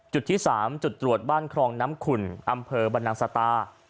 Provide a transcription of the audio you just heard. จุดที่๓จุดตรวจบ้านครองน้ำขุ่นอำเภอบรรนังสตา